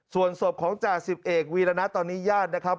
ส่วนศพของจ่าสิบเอกวีรณะตอนนี้ญาตินะครับ